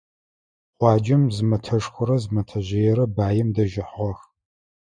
Хъуаджэм зы мэтэшхорэ зы мэтэжъыерэ баим дэжь ыхьыгъэх.